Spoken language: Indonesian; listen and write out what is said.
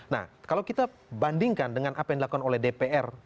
nah kalau kita bandingkan dengan apa yang dilakukan oleh dpr